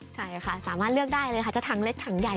ใช่ค่ะสามารถเลือกได้เลยค่ะจะถังเล็กถังใหญ่